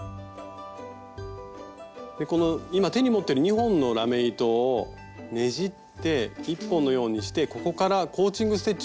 この今手に持ってる２本のラメ糸をねじって１本のようにしてここからコーチング・ステッチをしていきます。